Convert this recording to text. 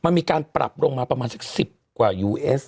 มันมีการปรับลงมาประมาณสัก๑๐กว่ายูเอส